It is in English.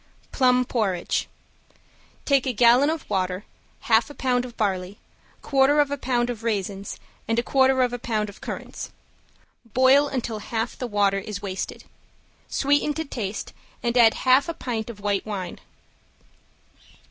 ~PLUM PORRIDGE~ Take a gallon of water, half a pound of barley, quarter of a pound of raisins, and a quarter of a pound of currants. Boil until half the water is wasted. Sweeten to taste and add half pint of white wine.